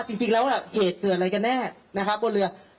จริงแล้วเหตุเกิดอะไรกันแน่นะครับบนเรือ